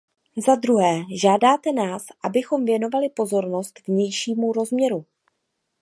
Za druhé, žádáte nás, abychom věnovali pozornost vnějšímu rozměru.